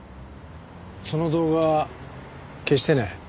その動画消してね。